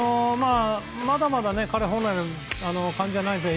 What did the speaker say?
まだまだ彼本来の感じゃないですね。